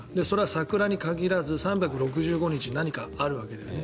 それは桜に限らず３６５日何かあるわけで。